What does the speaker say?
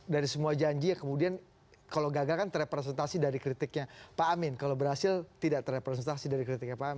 dari semua janji yang kemudian kalau gagal kan terrepresentasi dari kritiknya pak amin kalau berhasil tidak terrepresentasi dari kritiknya pak amin